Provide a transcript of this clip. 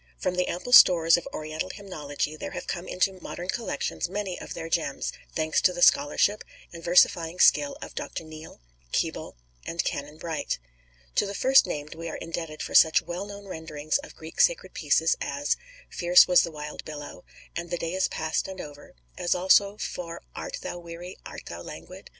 From the ample stores of Oriental hymnology there have come into modern collections many of their gems, thanks to the scholarship and versifying skill of Dr. Neale, Keble, and Canon Bright. To the first named we are indebted for such well known renderings of Greek sacred pieces as "Fierce was the wild billow," and, "The day is past and over," as also for "Art thou weary, art thou languid?"